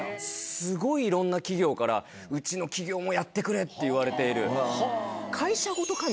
スゴいいろんな企業からうちの企業もやってくれって言われている。